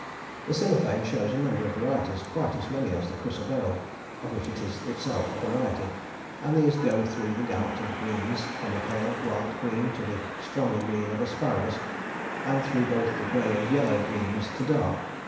The cymophane shows a number of varieties, quite as many as the chrysoberyl, of which it is itself a variety, and these go through the gamut of greens, from a pale white green to the stronger green of asparagus, and through both the grey and yellow greens to dark.